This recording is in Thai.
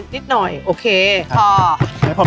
๑ช้อนครับ